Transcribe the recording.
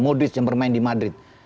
modus yang bermain di madrid